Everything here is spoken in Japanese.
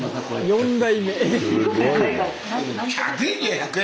４代目！